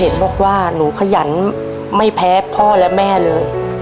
บอกว่าหนูขยันไม่แพ้พ่อและแม่เลย